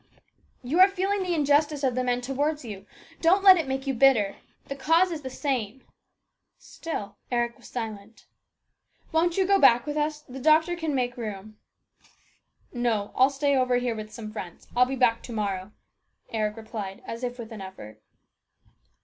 " You are feeling the injustice of the men towards you. Don't let it make you bitter. The cause is the same." Still Eric was silent. " Won't you go back with us ? The doctor can make room." " No ; I'll stay over here with some friends. I'll be back to morrow," Eric replied as if with an effort.